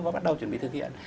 và bắt đầu chuẩn bị thực hiện